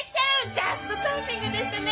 ジャストタイミングでしたね！